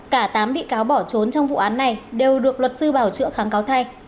cả tám bị cáo bỏ trốn trong vụ án này đều được luật sư bảo chữa kháng cáo thay